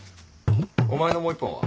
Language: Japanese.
お前のもう１本は？